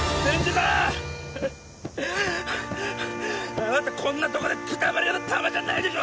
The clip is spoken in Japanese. あなたこんなとこでくたばるようなタマじゃないでしょ！